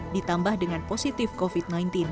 ditambah dengan positif covid sembilan belas